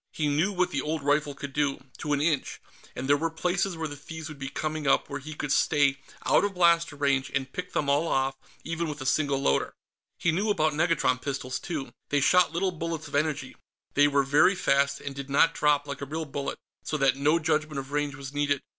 He knew what the old rifle could do, to an inch, and there were places where the thieves would be coming up where he could stay out of blaster range and pick them all off, even with a single loader. He knew about negatron pistols, too. They shot little bullets of energy; they were very fast, and did not drop, like a real bullet, so that no judgment of range was needed.